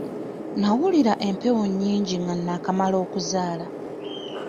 Nawulira empewo nnyingi nga naakamala okuzaala.